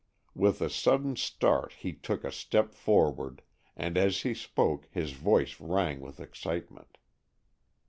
With a sudden start he took a step forward, and as he spoke his voice rang with excitement.